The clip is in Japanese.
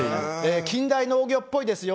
近代農業っぽいですよ。